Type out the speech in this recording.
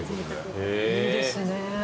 いいですね。